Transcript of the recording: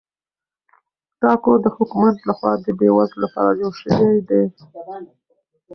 دا کور د حکومت لخوا د بې وزلو لپاره جوړ شوی دی.